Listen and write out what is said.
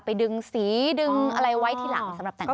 ดึงสีดึงอะไรไว้ที่หลังสำหรับแต่ง